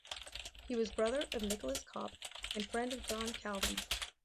He was brother of Nicolas Cop and friend of John Calvin.